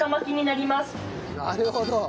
なるほど。